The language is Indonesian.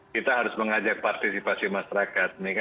kita harus mengajak partisipasi masyarakat